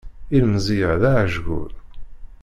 Ilemẓi-a d aɛejgur.